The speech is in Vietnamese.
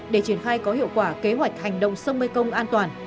để triển khai có hiệu quả kế hoạch hành động sông mê công an toàn